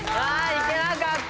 行けなかった。